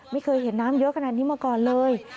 ไม่เคยเห็นน้ำเยอะขนาดนี้มาก่อนเลย